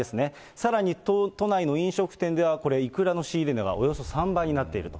さらに都内の飲食店では、これ、イクラの仕入れ値がおよそ３倍になっていると。